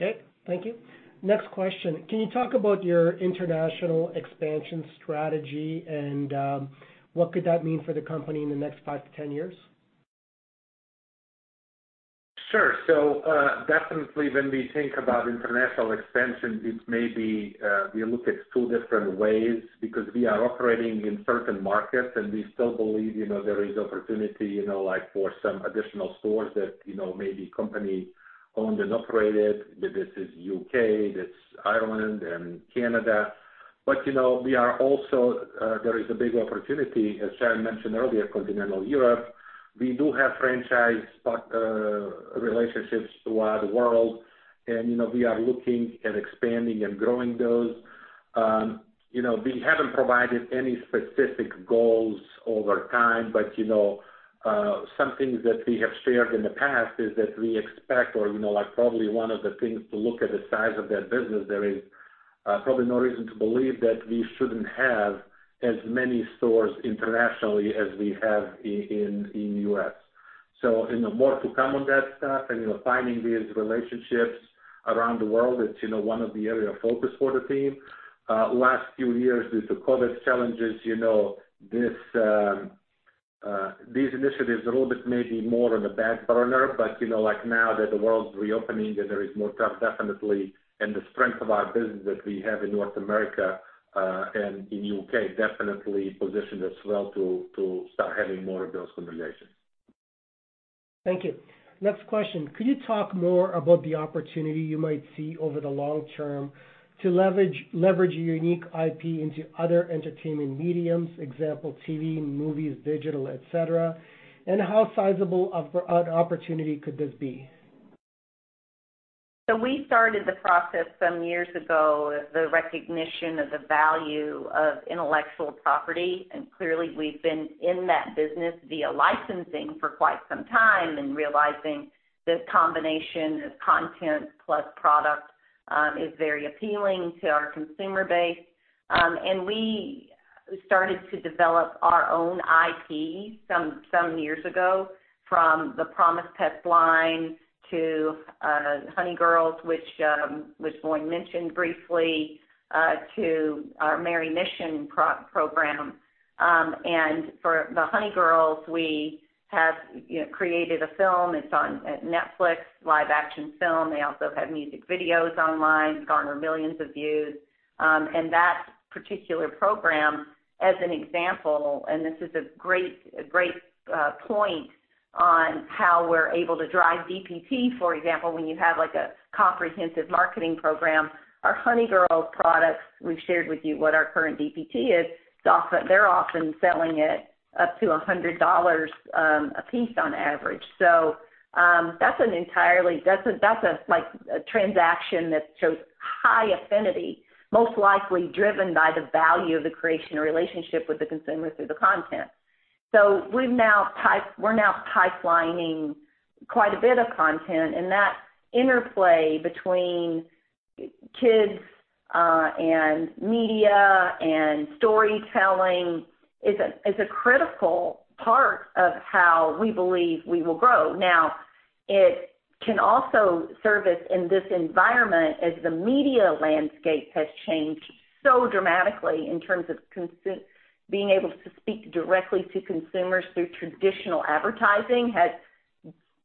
Okay, thank you. Next question: Can you talk about your international expansion strategy, and what could that mean for the company in the next 5 to 10 years? Sure. Definitely when we think about international expansion, it may be, we look at two different ways because we are operating in certain markets, and we still believe, you know, there is opportunity, you know, like for some additional stores that, you know, may be company-owned and operated, that this is U.K., that's Ireland and Canada. We are also, there is a big opportunity, as Sharon mentioned earlier, Continental Europe. We do have franchise relationships throughout the world, and, you know, we are looking at expanding and growing those. You know, we haven't provided any specific goals over time, but, you know, some things that we have shared in the past is that we expect or, you know, like, probably one of the things to look at the size of that business, there is, probably no reason to believe that we shouldn't have as many stores internationally as we have in U.S. More to come on that stuff, and, you know, finding these relationships around the world is, you know, one of the area of focus for the team. Last few years, due to COVID challenges, you know, this, these initiatives are a little bit maybe more on the back burner, but, you know, like now that the world's reopening and there is more stuff, definitely, and the strength of our business that we have in North America, and in U.K., definitely positions us well to start having more of those conversations. Thank you. Next question: Could you talk more about the opportunity you might see over the long term to leverage your unique IP into other entertainment mediums, example, TV, movies, digital, etc, and how sizable of, an opportunity could this be? We started the process some years ago, the recognition of the value of intellectual property, and clearly, we've been in that business via licensing for quite some time and realizing this combination of content plus product, is very appealing to our consumer base. We started to develop our own IP some years ago from the Promise Pets line to Honey Girls, which Voin mentioned briefly, to our Merry Mission program. For the Honey Girls, we have, you know, created a film. It's on Netflix, live action film. They also have music videos online, garner millions of views. That particular program, as an example, and this is a great point on how we're able to drive DPT. For example, when you have, like, a comprehensive marketing program, our Honey Girls products, we've shared with you what our current DPT is. They're often selling it up to $100 apiece on average. That's a, like, a transaction that shows high affinity, most likely driven by the value of the creation or relationship with the consumer through the content. We're now pipelining quite a bit of content, and that interplay between kids and media and storytelling is a, is a critical part of how we believe we will grow. It can also serve us in this environment as the media landscape has changed so dramatically in terms of being able to speak directly to consumers through traditional advertising has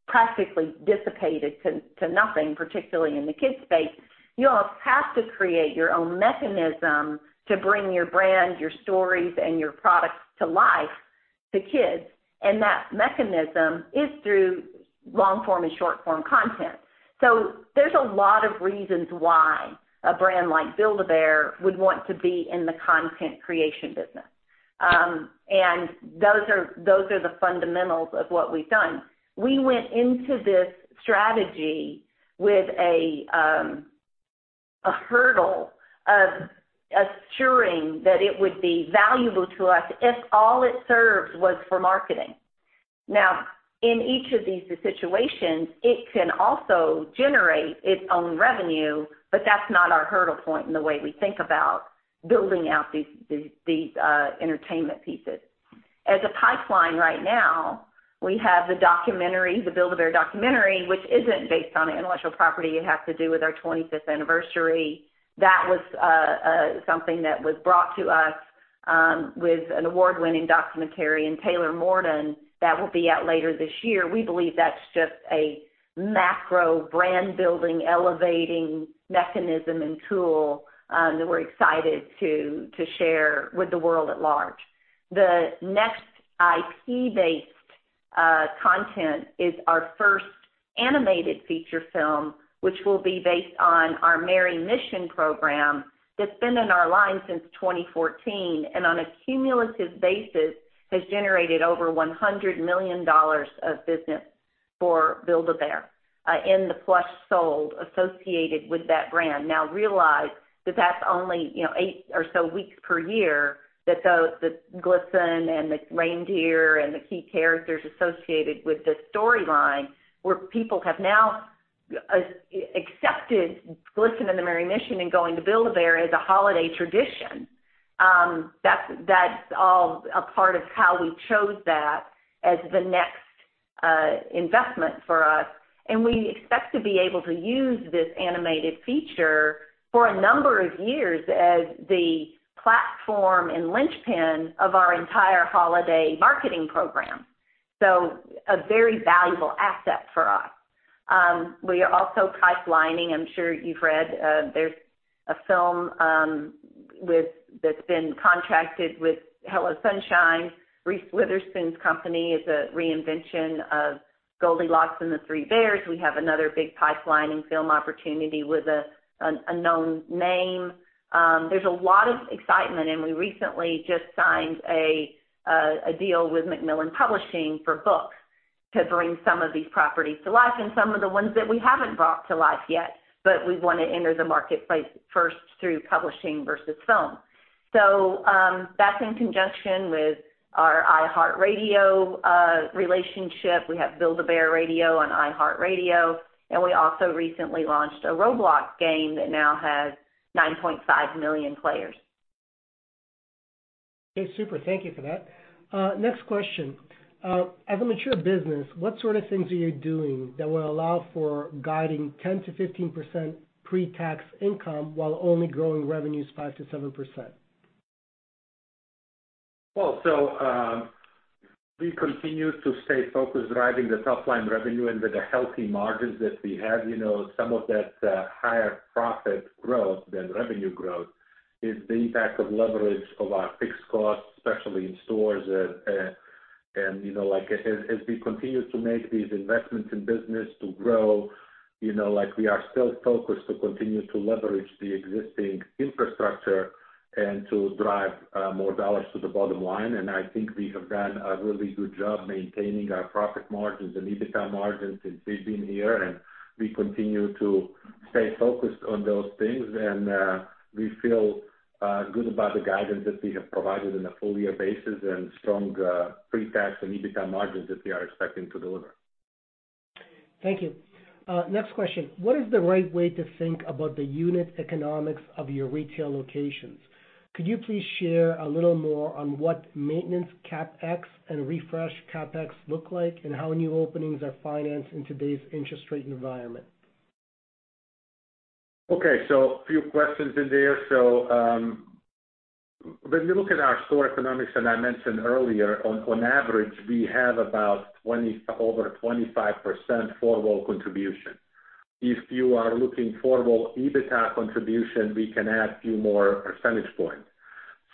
practically dissipated to nothing, particularly in the kids' space. You all have to create your own mechanism to bring your brand, your stories, and your products to life, to kids, and that mechanism is through long-form and short-form content. There's a lot of reasons why a brand like Build-A-Bear would want to be in the content creation business. Those are the fundamentals of what we've done. We went into this strategy with a hurdle of assuring that it would be valuable to us if all it served was for marketing. In each of these situations, it can also generate its own revenue, but that's not our hurdle point in the way we think about building out these entertainment pieces. As a pipeline right now, we have the documentary, the Build-A-Bear documentary, which isn't based on intellectual property, it has to do with our 25th anniversary. That was something that was brought to us with an award-winning documentary in Taylor Morden, that will be out later this year. We believe that's just a macro brand-building, elevating mechanism and tool that we're excited to share with the world at large. The next IP-based content is our first animated feature film, which will be based on our Merry Mission program that's been in our line since 2014, and on a cumulative basis, has generated over $100 million of business for Build-A-Bear in the plush sold associated with that brand. Now, realize that that's only eight or so weeks per year, that Glisten and the Reindeer and the key characters associated with this storyline, where people have now accepted Glisten and the Merry Mission and going to Build-A-Bear as a holiday tradition. That's all a part of how we chose that as the next investment for us. We expect to be able to use this animated feature for a number of years as the platform and linchpin of our entire holiday marketing program. A very valuable asset for us. We are also pipelining, I'm sure you've read, there's a film that's been contracted with Hello Sunshine. Reese Witherspoon's company is a reinvention of Goldilocks and the Three Bears. We have another big pipelining film opportunity with a known name. There's a lot of excitement, and we recently just signed a deal with Macmillan Publishers for books to bring some of these properties to life and some of the ones that we haven't brought to life yet, but we want to enter the marketplace first through publishing versus film. That's in conjunction with our iHeartRadio relationship. We have Build-A-Bear Radio on iHeartRadio, and we also recently launched a Roblox game that now has 9.5 million players. Okay, super. Thank you for that. Next question. As a mature business, what sort of things are you doing that will allow for guiding 10%-15% pretax income while only growing revenues 5%-7%? Well, we continue to stay focused, driving the top line revenue and with the healthy margins that we have. You know, some of that higher profit growth than revenue growth is the impact of leverage of our fixed costs, especially in stores. You know, like, as we continue to make these investments in business to grow, you know, like, we are still focused to continue to leverage the existing infrastructure and to drive more dollars to the bottom line. I think we have done a really good job maintaining our profit margins and EBITDA margins since we've been here, and we continue to stay focused on those things. We feel good about the guidance that we have provided on a full year basis and strong pretax and EBITDA margins that we are expecting to deliver. Thank you. Next question: What is the right way to think about the unit economics of your retail locations? Could you please share a little more on what maintenance CapEx and refresh CapEx look like, and how new openings are financed in today's interest rate environment? Okay, a few questions in there. When you look at our store economics, and I mentioned earlier, on average, we have about 20%-25% four-wall contribution. If you are looking four-wall EBITDA contribution, we can add a few more percentage points.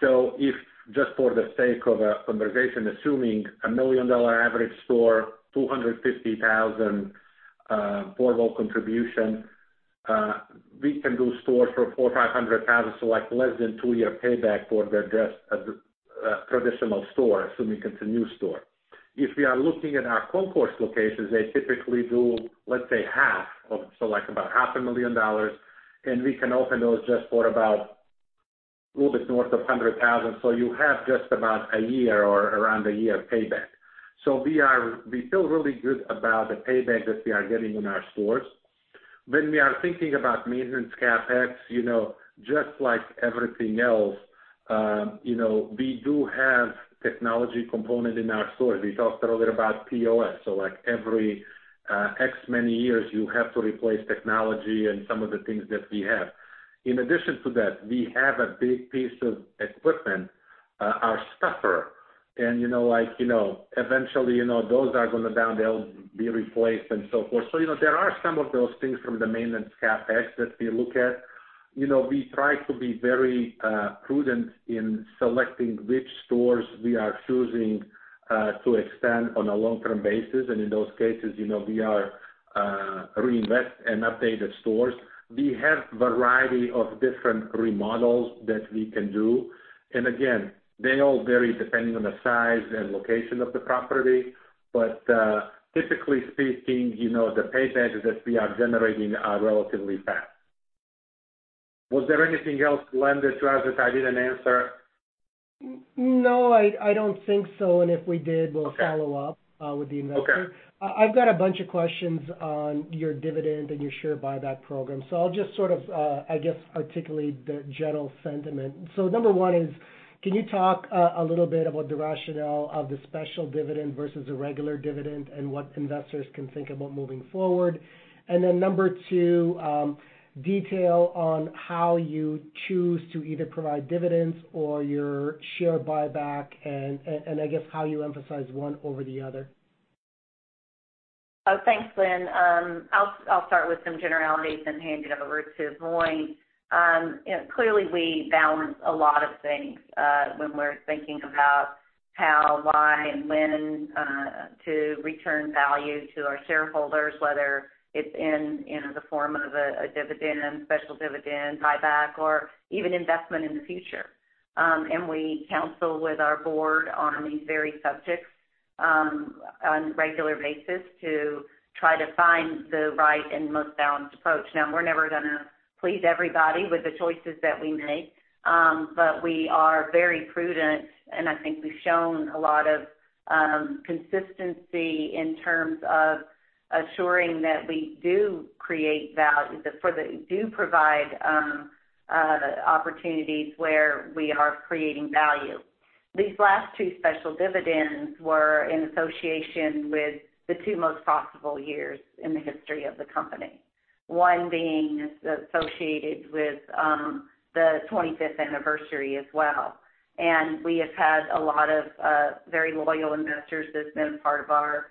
If, just for the sake of a conversation, assuming a $1 million average store, $250,000 four-wall contribution, we can do stores for $400,000-$500,000, so like less than two-year payback for the just traditional store, assuming it's a new store. If we are looking at our concourse locations, they typically do, let's say, half a million dollars, and we can open those just for a little bit north of $100,000, you have just about a year or around a year of payback. We feel really good about the payback that we are getting in our stores. When we are thinking about maintenance CapEx, you know, just like everything else, you know, we do have technology component in our stores. We talked a little bit about POS. Like every, X many years, you have to replace technology and some of the things that we have. In addition to that, we have a big piece of equipment, our stuffer. You know, like, you know, eventually, you know, those are going to down, they'll be replaced and so forth. You know, there are some of those things from the maintenance CapEx that we look at. You know, we try to be very prudent in selecting which stores we are choosing to expand on a long-term basis. In those cases, you know, we are, reinvest and update the stores. We have variety of different remodels that we can do, and again, they all vary depending on the size and location of the property. Typically speaking, you know, the paybacks that we are generating are relatively fast. Was there anything else, Glen, that you asked that I didn't answer? No, I don't think so. If we did, we'll follow up with the investor. Okay. I've got a bunch of questions on your dividend and your share buyback program. I'll just sort of, I guess, articulate the general sentiment. Number one is, can you talk a little bit about the rationale of the special dividend versus a regular dividend, and what investors can think about moving forward? Number two, detail on how you choose to either provide dividends or your share buyback, and I guess, how you emphasize one over the other. Thanks, Glen. I'll start with some generalities and hand it over to Voin. Clearly, we balance a lot of things when we're thinking about how, why, and when to return value to our shareholders, whether it's in, you know, the form of a dividend, special dividend, buyback, or even investment in the future. We counsel with our board on these very subjects on a regular basis to try to find the right and most balanced approach. Now, we're never gonna please everybody with the choices that we make, but we are very prudent, and I think we've shown a lot of consistency in terms of assuring that we do create value, that do provide opportunities where we are creating value. These last two special dividends were in association with the two most profitable years in the history of the company. One being associated with the 25th anniversary as well. We have had a lot of very loyal investors that have been part of our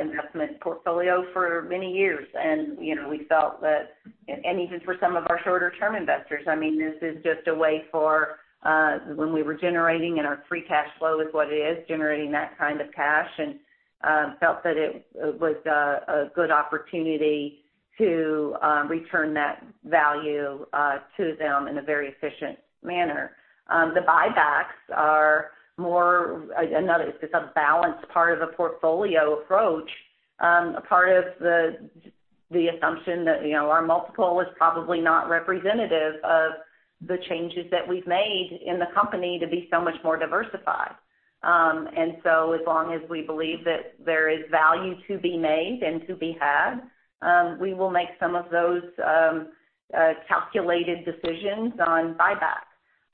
investment portfolio for many years. You know, we felt that even for some of our shorter-term investors, I mean, this is just a way for, when we were generating and our free cash flow is what it is, generating that kind of cash, and felt that it was a good opportunity to return that value to them in a very efficient manner. The buybacks are more, it's a balanced part of a portfolio approach, a part of the assumption that, you know, our multiple is probably not representative of the changes that we've made in the company to be so much more diversified. As long as we believe that there is value to be made and to be had, we will make some of those calculated decisions on buybacks.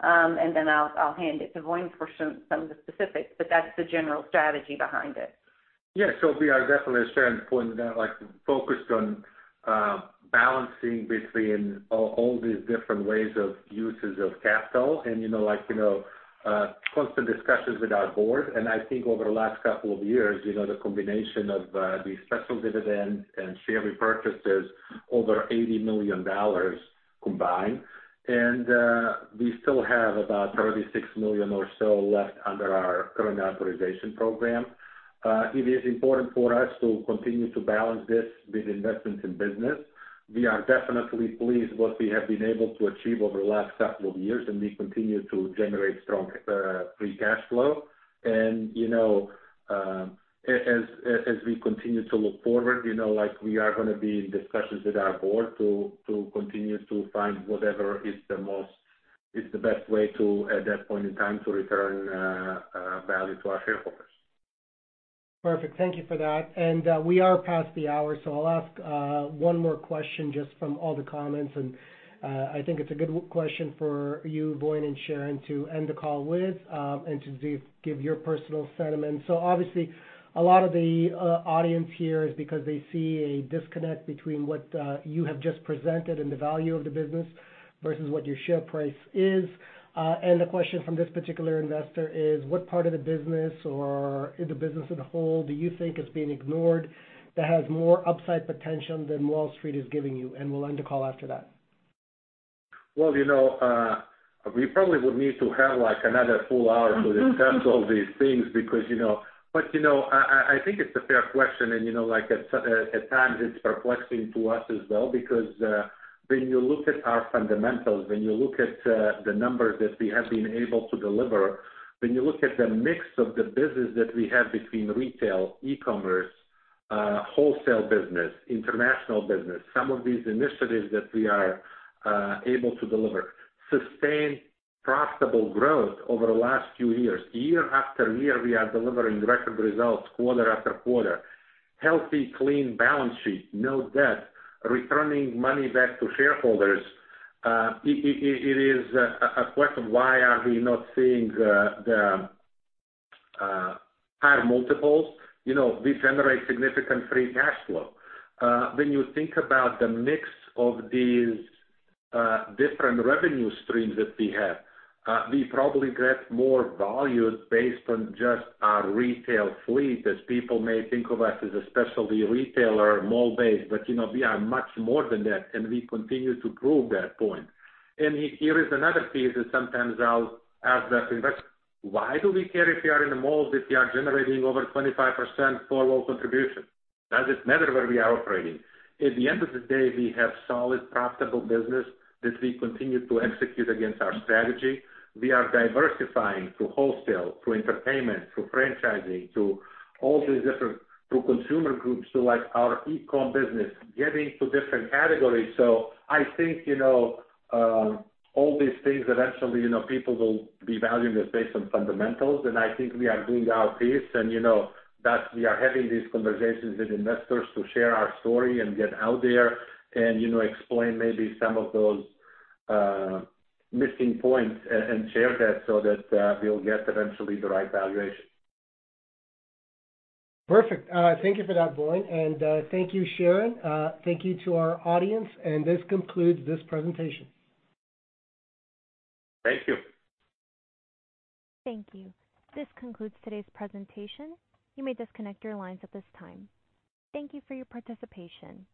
I'll hand it to Voin for some of the specifics, but that's the general strategy behind it. Yeah, we are definitely, as Sharon pointed out, like, focused on balancing between all these different ways of uses of capital. You know, like, you know, constant discussions with our board. I think over the last couple of years, you know, the combination of these special dividends and share repurchases, over $80 million combined, we still have about $36 million or so left under our current authorization program. It is important for us to continue to balance this with investments in business. We are definitely pleased what we have been able to achieve over the last couple of years, and we continue to generate strong free cash flow. You know, as we continue to look forward, you know, like, we are gonna be in discussions with our board to continue to find whatever is the best way to, at that point in time, to return value to our shareholders. Perfect. Thank you for that. We are past the hour, I'll ask one more question just from all the comments, I think it's a good question for you, Voin and Sharon, to end the call with, and to give your personal sentiment. Obviously, a lot of the audience here is because they see a disconnect between what you have just presented and the value of the business versus what your share price is. The question from this particular investor is: What part of the business or in the business as a whole do you think is being ignored, that has more upside potential than Wall Street is giving you? We'll end the call after that. Well, you know, we probably would need to have, like, another full hour to discuss all these things because, you know. You know, I think it's a fair question, and, you know, like, at times, it's perplexing to us as well, because, when you look at our fundamentals, when you look at the numbers that we have been able to deliver, when you look at the mix of the business that we have between retail, e-commerce, wholesale business, international business, some of these initiatives that we are able to deliver. Sustained profitable growth over the last few years. Year-after-year, we are delivering record results, quarter-after-quarter. Healthy, clean balance sheet, no debt, returning money back to shareholders. It is a question, why are we not seeing the higher multiples? You know, we generate significant free cash flow. When you think about the mix of these different revenue streams that we have, we probably get more value based on just our retail fleet, as people may think of us as a specialty retailer, mall-based, but, you know, we are much more than that, and we continue to prove that point. Here is another piece that sometimes I'll ask the investor: Why do we care if we are in the mall, if we are generating over 25% four-wall contribution? Does it matter where we are operating? At the end of the day, we have solid, profitable business that we continue to execute against our strategy. We are diversifying to wholesale, to entertainment, to franchising, to all these different to consumer groups, so like our e-comm business, getting to different categories. I think, you know, all these things, eventually, you know, people will be valuing us based on fundamentals, and I think we are doing our piece. You know, that we are having these conversations with investors to share our story and get out there and, you know, explain maybe some of those missing points and share that so that we'll get eventually the right valuation. Perfect. Thank you for that, Voin. Thank you, Sharon. Thank you to our audience, and this concludes this presentation. Thank you. Thank you. This concludes today's presentation. You may disconnect your lines at this time. Thank you for your participation.